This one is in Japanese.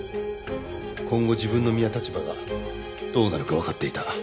今後自分の身や立場がどうなるかわかっていた。